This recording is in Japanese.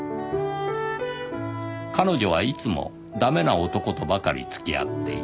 “彼女”はいつも駄目な男とばかり付き合っていた